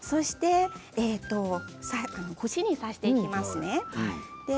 串に刺していきますね。